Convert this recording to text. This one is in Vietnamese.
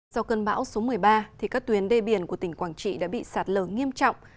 sau cơn bão số một mươi ba các tuyến đê biển của tỉnh quảng trị đã bị sạt lở nghiêm trọng